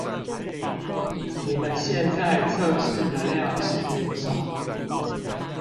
你們現在測試的量是多少？